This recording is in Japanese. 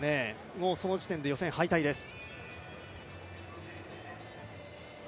その時点で予選敗退です。